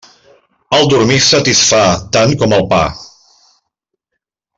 El dormir satisfà tant com el pa.